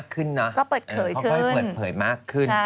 เพิ่งเปิดเขยมากขึ้น